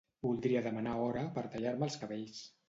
Voldria demanar hora per tallar-me els cabells.